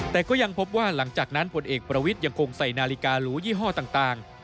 แต่ก็ยังพบว่าหลังจากนั้นผลเอกประวิทย์ยังคงใส่นาฬิกาหรูยี่ห้อต่าง